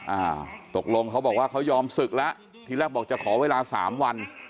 อ่าตกลงเขาบอกว่าเขายอมศึกแล้วทีแรกบอกจะขอเวลาสามวัน